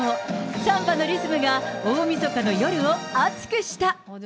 サンバのリズムが大みそかの夜を熱くした。